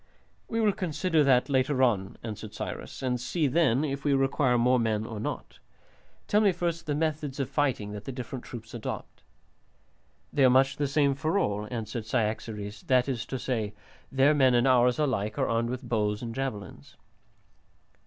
"We will consider that later on," answered Cyrus, "and see then if we require more men or not. Tell me first the methods of fighting that the different troops adopt." "They are much the same for all," answered Cyaxares, "that is to say, their men and ours alike are armed with bows and javelins."